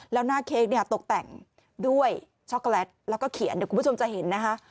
แล้วหน้าเค้กเนี่ยตกแต่งด้วยช็อกโกแลตแล้วก็เขียนเดี๋ยวคุณผู้ชมจะเห็นนะคะ